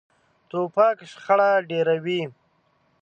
توپک شخړه ډېروي.